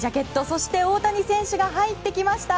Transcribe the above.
そして大谷選手が入ってきました。